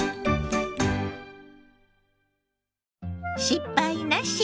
「失敗なし！